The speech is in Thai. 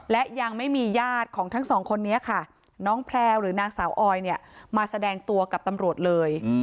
และยังไม่มีญาติของทั้งสองคนนี้ค่ะน้องแพลวหรือนางสาวออยเนี่ยมาแสดงตัวกับตำรวจเลย